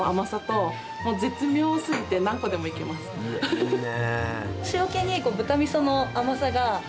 いいね。